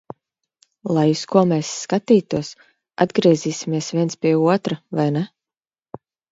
Lai uz ko mēs skatītos, atgriezīsimies viens pie otra, vai ne?